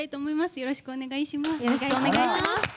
よろしくお願いします。